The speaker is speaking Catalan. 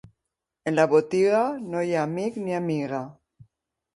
En la botiga, no hi ha amic ni amiga.